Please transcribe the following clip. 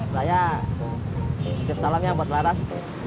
saya bikin salamnya buat laras